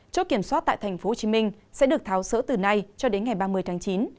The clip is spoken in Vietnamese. chỗ kiểm soát tại tp hcm sẽ được tháo sỡ từ nay cho đến ngày ba mươi tháng chín